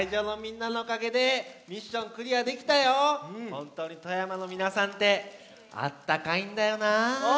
ほんとうに富山のみなさんってあったかいんだよな。